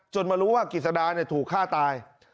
มารู้ว่ากิจสดาถูกฆ่าตาย